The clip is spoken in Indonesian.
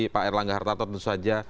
pak erlangga hartarto tentu saja